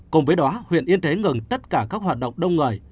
cùng với đó huyện yên thế ngừng tất cả các hoạt động đông người